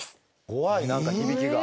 怖い何か響きが。